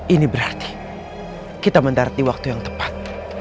ini berarti kita mendarat di waktu yang tepat